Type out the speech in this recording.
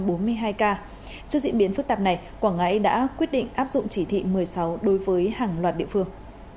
trước diễn biến phức tạp này quảng ngãi đã quyết định áp dụng chỉ thị một mươi sáu đối với hàng loạt địa phương